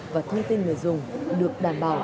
và thông tin người dùng được đảm bảo